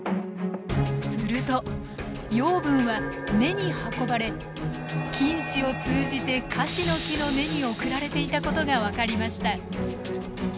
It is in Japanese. すると養分は根に運ばれ菌糸を通じてカシノキの根に送られていたことが分かりました。